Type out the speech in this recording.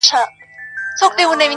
لښکر پردی وي خپل پاچا نه لري!